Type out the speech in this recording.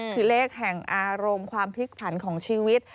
คือเลขแห่งอารมณ์ความพลิกผันของชีวิต